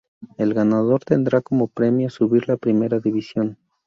El ganador tendrá como premio subir la primera división.